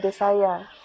dari adik saya